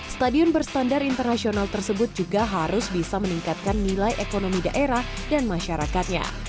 stadion berstandar internasional tersebut juga harus bisa meningkatkan nilai ekonomi daerah dan masyarakatnya